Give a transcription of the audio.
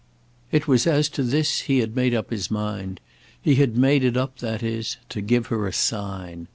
It was as to this he had made up his mind; he had made it up, that is, to give her a sign.